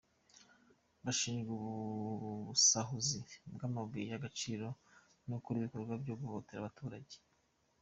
Bashinjwa ubusahuzi bw’amabuye y’agaciro no gukora ibikorwa byo guhohotera abaturage.